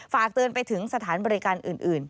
ฝากเตือนไปถึงสถานบริการอื่น